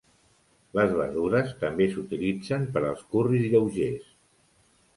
Les verdures també s'utilitzen per als curris lleugers.